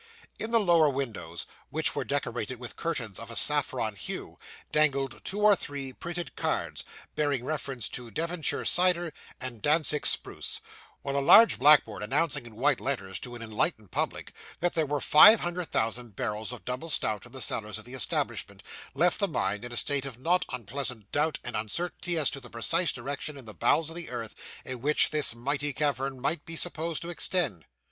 In the lower windows, which were decorated with curtains of a saffron hue, dangled two or three printed cards, bearing reference to Devonshire cider and Dantzic spruce, while a large blackboard, announcing in white letters to an enlightened public, that there were 500,000 barrels of double stout in the cellars of the establishment, left the mind in a state of not unpleasing doubt and uncertainty as to the precise direction in the bowels of the earth, in which this mighty cavern might be supposed to extend.